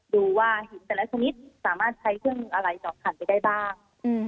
ดูว่าหินเซลลักษณิชย์สามารถใช้เครื่องอะไรต่อขันไปได้บ้าง